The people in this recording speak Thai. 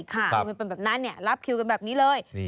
คือมันเป็นแบบนั้นรับคิวกันแบบนี้เลย